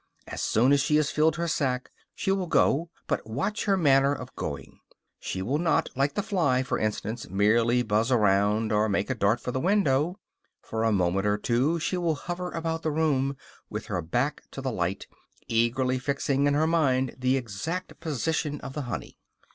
As soon as she has filled her sac, she will go, but watch her manner of going; she will not, like the fly, for instance, merely buzz around or make a dart for the window; for a moment or two she will hover about the room, with her back to the light, eagerly fixing in her mind the exact position of the honey.